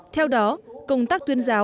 theo đó công tác tuyên giáo